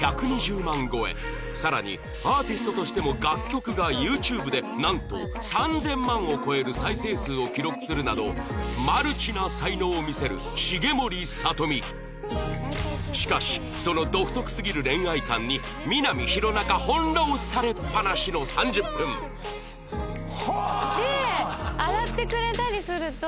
さらにアーティストとしても楽曲が ＹｏｕＴｕｂｅ でなんと３０００万を超える再生数を記録するなどマルチな才能を見せる重盛さと美しかしその独特すぎる恋愛観にみな実弘中翻弄されっぱなしの３０分で洗ってくれたりするとすごい。